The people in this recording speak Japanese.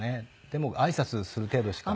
でも挨拶する程度しか。